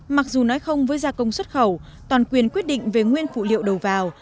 mặc dù nói không với gia công xuất khẩu toàn quyền quyết định về nguyên phụ liệu đầu vào